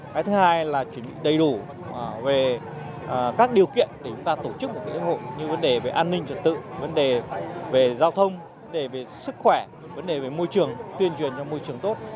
cái thứ hai là chuẩn bị đầy đủ về các điều kiện để chúng ta tổ chức một lễ hội như vấn đề về an ninh trật tự vấn đề về giao thông vấn đề về sức khỏe vấn đề về môi trường tuyên truyền cho môi trường tốt